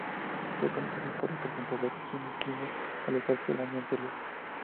Fue conducida por el presentador Jimmy Kimmel, al igual que el año anterior.